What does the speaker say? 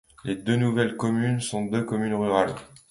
Les deux nouvelles communes sont deux communes rurales.